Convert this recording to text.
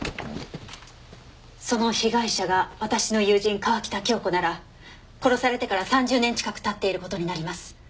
その被害者が私の友人川喜多京子なら殺されてから３０年近く経っている事になります。